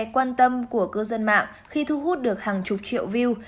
quan tâm của cư dân mạng khi thu hút được hàng chục triệu view